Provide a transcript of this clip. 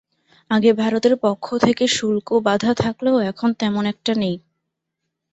আগে ভারতের পক্ষ থেকে শুল্ক বাধা থাকলেও এখন তেমন একটা নেই।